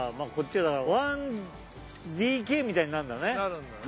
あこっちがだから１ＤＫみたいになるんだね。